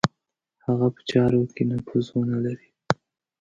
هغه په چارو کې نفوذ ونه لري.